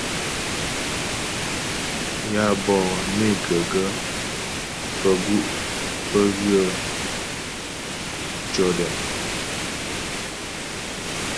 Yǎ bɔ'ɔ né ghə gaə́ faə̀ gu' pə́ ywə̂ mtʉɔ̂dəŋ.